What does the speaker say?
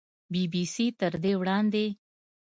بي بي سي تر دې وړاندې